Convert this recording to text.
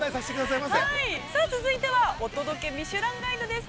◆さあ、続いては「お届けミシュランガイド」です。